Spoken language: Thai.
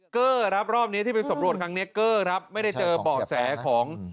เกอ่ครับรอบนี้ที่ไปสำรวจไม่ได้เจอบ่อแสของ